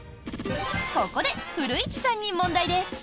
ここで、古市さんに問題です。